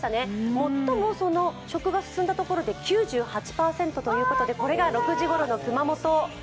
最も食が進んだところで９８％で、これが６時頃の熊本。